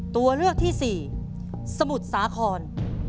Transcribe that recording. ตัวเลือกที่๔สมุทรสาคร